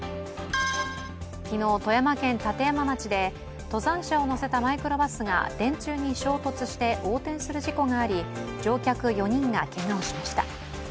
昨日、富山県立山町で登山者を乗せたマイクロバスが電柱に衝突して横転する事故があり乗客４人がけがをしました。